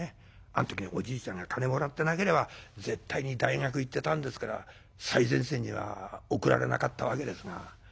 あん時におじいさんが金もらってなければ絶対に大学行ってたんですから最前線には送られなかったわけですが。